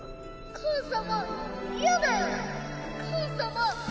母様！